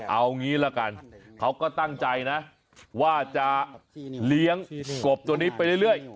เอางี้ละกันเขาก็ตั้งใจนะว่าจะเลี้ยงกบตัวนี้ไปเรื่อย